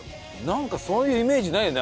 なんかそういうイメージないよね